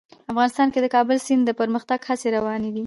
افغانستان کې د د کابل سیند د پرمختګ هڅې روانې دي.